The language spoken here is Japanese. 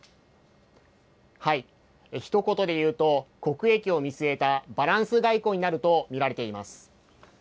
ひと言でいうと、国益を見据えたバランス外交になると見られています。